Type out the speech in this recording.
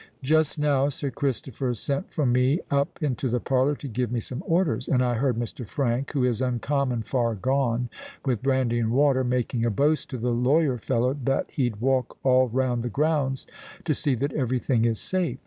"Just now, Sir Christopher sent for me up into the parlour to give me some orders; and I heard Mr. Frank, who is uncommon far gone with brandy and water, making a boast to the lawyer fellow that he'd walk all round the grounds to see that every thing is safe.